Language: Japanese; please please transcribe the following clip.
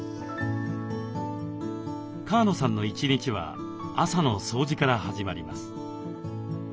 川野さんの一日は朝の掃除から始まります。